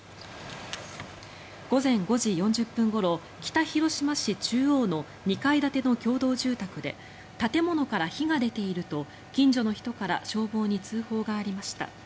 午前５時４０分ごろ北広島市中央の２階建ての共同住宅で建物から火が出ていると近所の人から消防に通報がありました。